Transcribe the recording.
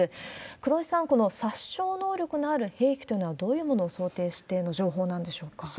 黒井さん、この殺傷能力のある兵器というのはどういうものを想定しての情報なんでしょうか？